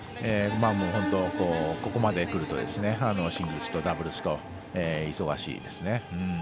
本当にここまでくるとシングルスとダブルスと忙しいですね。